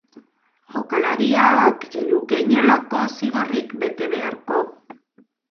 Jokalariak ezluke inolako zigorrik bete beharko.